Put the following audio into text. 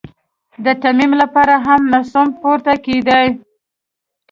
د تيمم لپاره هم نسوم پورته کېداى.